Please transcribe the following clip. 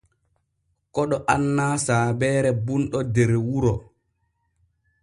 Koɗo annaa saabeere bunɗo der wuro.